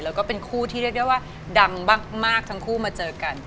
แล้วก็เป็นคู่ที่เรียกได้ว่าดังมากทั้งคู่มาเจอกัน